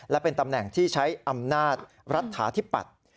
และเป็นตำแหน่งที่ใช้อำนาจรัฐฐาธิปัตย์